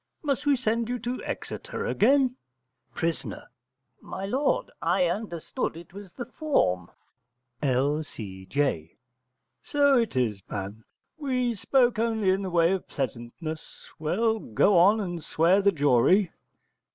Must we send you to Exeter again? Pris. My lord, I understood it was the form. L.C.J. So it is, man: we spoke only in the way of pleasantness. Well, go on and swear the jury.